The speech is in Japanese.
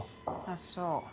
あっそう。